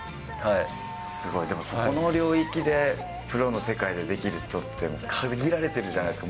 すごい、でもその領域でプロの世界でできる人っていうのは限られてるじゃないですか。